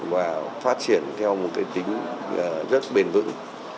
và phát triển theo một cái tính rất bền vững